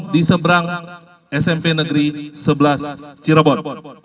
di seberang smp negeri sebelas cirebon